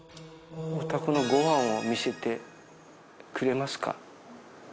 おたくのご飯を見せてくれますか？